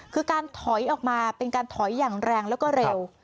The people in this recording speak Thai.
คือการถอยออกมาเป็นการถอยอย่างแรงแล้วก็เร็ว